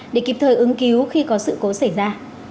để kịp thời ứng cứu khi có sự cố xảy ra